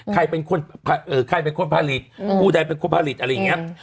ใครเป็นคนผลิตผู้ใดเป็นคนผลิตอะไรอย่างนี้